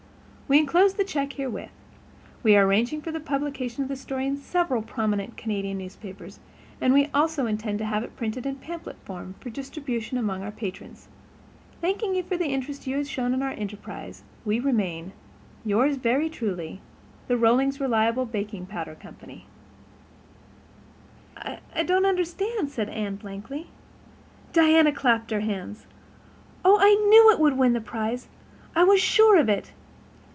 We enclose the check herewith. We are arranging for the publication of the story in several prominent Canadian newspapers, and we also intend to have it printed in pamphlet form for distribution among our patrons. Thanking you for the interest you have shown in our enterprise, "We remain, "Yours very truly, "THE ROLLINGS RELIABLE BAKING POWDER CO." "I don't understand," said Anne, blankly. Diana clapped her hands. "Oh, I knew it would win the prize—I was sure of it.